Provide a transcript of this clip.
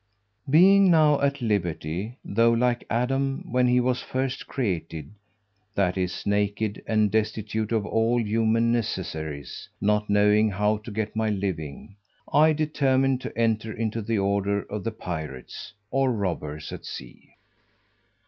Being now at liberty, though like Adam when he was first created that is, naked and destitute of all human necessaries not knowing how to get my living, I determined to enter into the order of the pirates or robbers at sea.